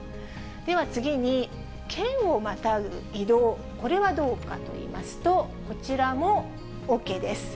では次に、県をまたぐ移動、これはどうかといいますと、こちらもＯＫです。